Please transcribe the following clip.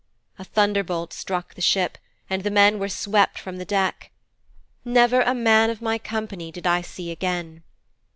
A thunderbolt struck the ship and the men were swept from the deck. Never a man of my company did I see again.'